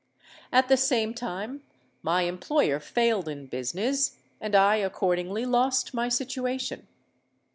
At the same time my employer failed in business; and I accordingly lost my situation.